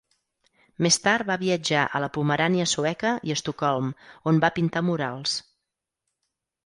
Més tard va viatjar a la Pomerània Sueca i a Estocolm, on va pintar murals.